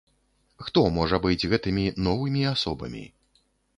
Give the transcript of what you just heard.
Хто можа быць гэтымі новымі асобамі?